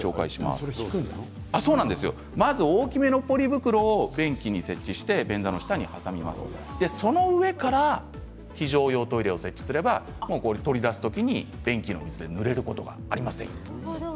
大きめのポリ袋を便器に設置して便座の下に挟んで、その上から非常用トイレを設置すれば取り出す時に便器の水でぬれることがありません。